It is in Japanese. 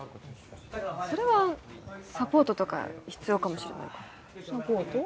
それはサポートとか必要かもしれないからサポート？